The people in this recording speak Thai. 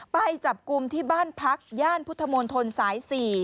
ไปจับกลุ่มที่บ้านพักย่านพุทธมนตรสาย๔